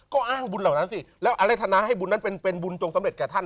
ก็อ้างบุญเหล่านั้นสิแล้วอรรถนาให้บุญนั้นเป็นบุญจงสำเร็จแก่ท่าน